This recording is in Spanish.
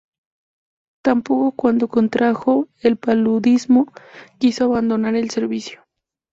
Tampoco cuando contrajo el paludismo quiso abandonar el servicio.